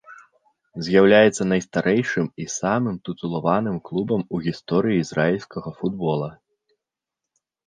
З'яўляецца найстарэйшым і самым тытулаваным клубам у гісторыі ізраільскага футбола.